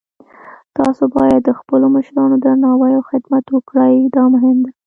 تاسو باید د خپلو مشرانو درناوی او خدمت وکړئ، دا مهم ده